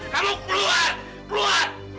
kamu keluar keluar